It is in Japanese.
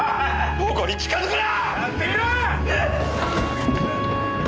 容子に近づくな！！